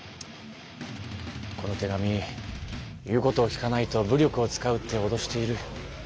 この手紙言うことを聞かないと武力を使うっておどしている。